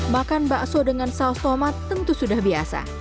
makan bakso dengan saus tomat tentu sudah biasa